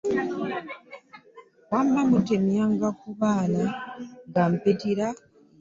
Wamma mutemyanga ku baana nga mpitira eyo .